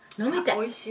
おいしい。